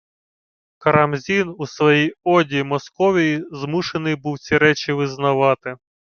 Карамзін у своїй «оді» Московії змушений був ці речі визнавати